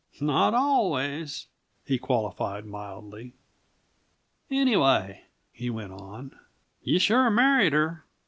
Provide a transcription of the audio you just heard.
"Not always," he qualified mildly. "Anyway," he went on, "you sure married her.